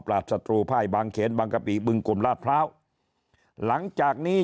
ปราบสตรูภายบางเขตบางกระปีบึงกลุ่มราภาวหลังจากนี้